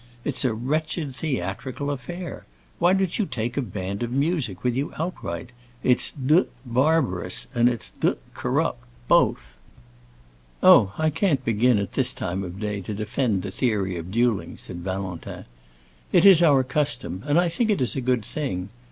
It's a wretched theatrical affair. Why don't you take a band of music with you outright? It's d—d barbarous and it's d—d corrupt, both." "Oh, I can't begin, at this time of day, to defend the theory of dueling," said Valentin. "It is our custom, and I think it is a good thing.